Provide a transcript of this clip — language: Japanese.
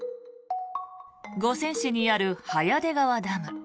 五泉市にある早出川ダム。